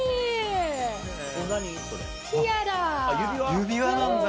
指輪なんだ。